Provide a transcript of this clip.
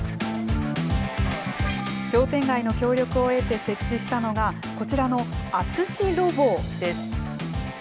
商店街の協力を得て設置したのが、こちらの淳ロボです。